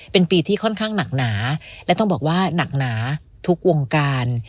เป็นปีที่ค่อนข้างหนักหนาและต้องบอกว่าหนักหนาทุกวงการ